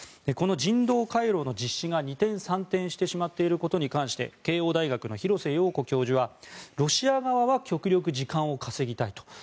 この人道回廊の実施が二転三転してしまっていることに関して慶応大学の廣瀬陽子教授はロシア側は極力時間を稼ぎたいと。